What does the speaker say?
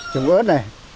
trồng ớt này